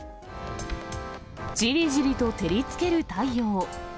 じりじりと照りつける太陽。